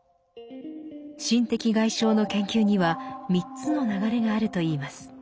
「心的外傷」の研究には３つの流れがあるといいます。